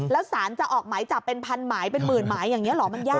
แล้วสารจะออกหมายจับเป็นพันหมายเป็นหมื่นหมายอย่างนี้เหรอมันยาก